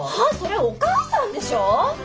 それはお母さんでしょ！